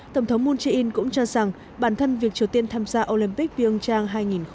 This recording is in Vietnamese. tổng thống moon jae in cũng cho rằng bản thân việc triều tiên tham gia olympic pyeongchang